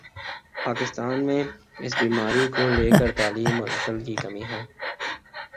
پاکستان میں اس بیماری کو لے کر تعلیم اور عقل کی کمی ہے